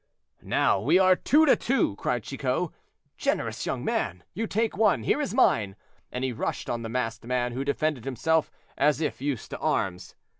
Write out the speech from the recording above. "Now we are two to two," cried Chicot; "generous young man, you take one, here is mine," and he rushed on the masked man, who defended himself as if used to arms.